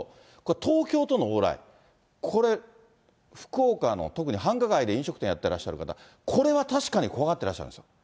東京との往来、これ、福岡の特に、繁華街で飲食店やってらっしゃる方、これは確かに怖がってらっしゃいました。